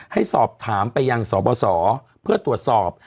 ให้สอบถามไปอย่างสอบเราสอเพื่อตรวจสอบ